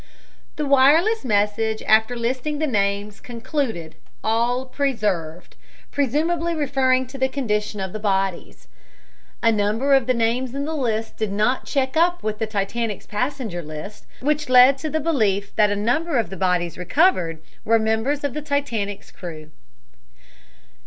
The wireless message, after listing the names, concluded, "All preserved," presumably referring to the condition of the bodies. A number of the names in the list did not check up with the Titanic's passenger list, which led to the belief that a number of the bodies recovered were members of the Titanic's crew.